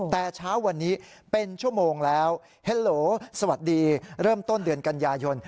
แต่เช้าวันนี้เป็นชั่วโมงแล้วเฮโลสวัสดีเริ่มต้นเดือนกันยายน